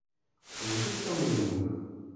Onde estamos indo?